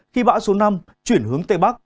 khi bão số năm chuyển hướng tây bắc